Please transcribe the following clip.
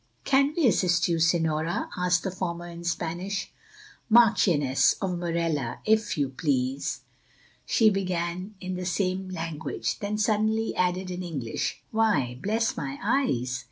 "Can we assist you, Señora?" asked the former in Spanish. "Marchioness of Morella, if you please—" she began in the same language, then suddenly added in English, "Why, bless my eyes!